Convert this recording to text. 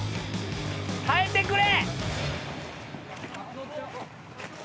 耐えてくれ！